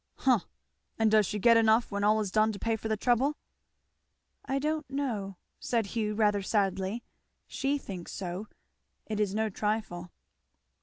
"Humph! And does she get enough when all is done to pay for the trouble?" "I don't know," said Hugh rather sadly. "She thinks so. It is no trifle."